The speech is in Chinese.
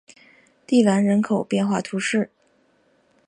蒂兰人口变化图示